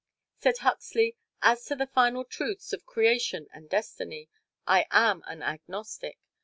Said Huxley: "As to the final truths of Creation and Destiny, I am an agnostic.